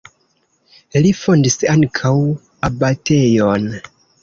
Li fondis ankaŭ abatejon.